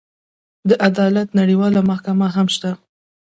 د عدالت نړیواله محکمه هم شته.